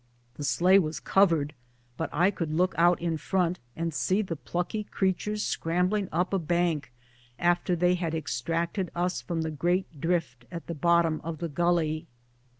The sleigh was covered, but I could look out in front and see the plucky creatures scrambling up a bank after they had extricated us from the great drift at the bottom of the gully.